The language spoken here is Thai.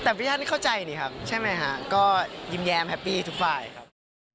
แต่พี่ท่านเข้าใจนี่ครับใช่ไหมฮะก็ยิ้มแย้มแฮปปี้ทุกฝ่ายครับ